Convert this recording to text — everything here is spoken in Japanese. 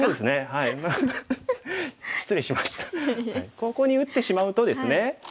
ここに打ってしまうとですね